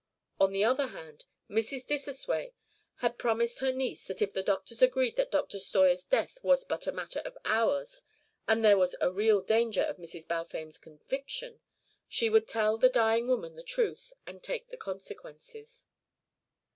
On the other hand, Mrs. Dissosway had promised her niece that if the doctors agreed that Dr. Steuer's death was but a matter of hours and there was a real danger of Mrs. Balfame's conviction, she would tell the dying woman the truth and take the consequences.